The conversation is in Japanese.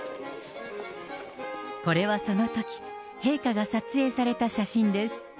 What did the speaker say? これはそのとき、陛下が撮影された写真です。